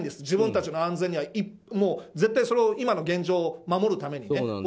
自分たちの安全には絶対その今の現状を守るためにね。